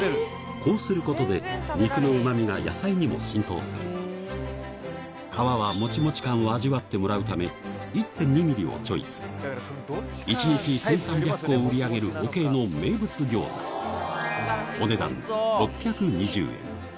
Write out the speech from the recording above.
こうすることで肉のうま味が野菜にも浸透する皮はもちもち感を味わってもらうため１．２ｍｍをチョイス１日１３００個を売り上げるおけ以の名物餃子お値段６２０円